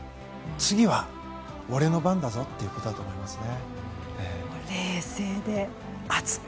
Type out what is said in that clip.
次は、俺の番だぞということだと思いますね。